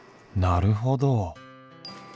なるほど。